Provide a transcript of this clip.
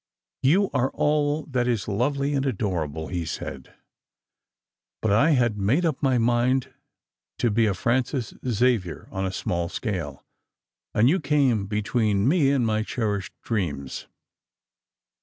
" You are all that is lovely and adorable," he said; "but I had made up my mind to be a Francis Xavier on a small scale, and you came between me and my cherished dreams."